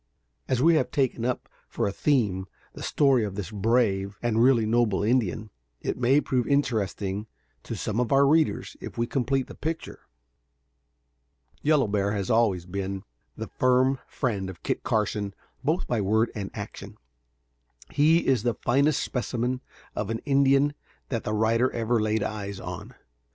As we have taken up for a theme the story of this brave and really noble Indian, it may prove interesting to some of our readers if we complete the picture. Yellow Bear has always been the firm friend of Kit Carson both by word and action. He is the finest specimen of an Indian that the writer ever laid eyes on.